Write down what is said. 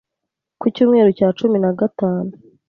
ku Icyumweru cya cumi na gatanu